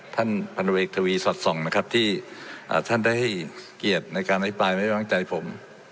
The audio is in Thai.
พันธเวกทวีสอดส่องนะครับที่ท่านได้ให้เกียรติในการอภิปรายไม่วางใจผม